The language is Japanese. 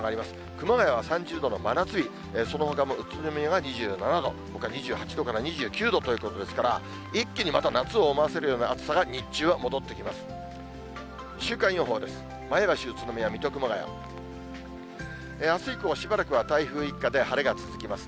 熊谷は３０度の真夏日、そのほかも宇都宮が２７度、ほか２８度から２９度ということですから、一気にまた夏を思わせるような暑さが、日中は戻ってきます。